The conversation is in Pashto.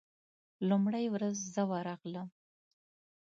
لومړۍ ورځ زه ورغلم.